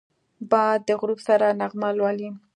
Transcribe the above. باد د غروب سره نغمه لولي